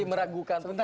jadi meragukan spsp oke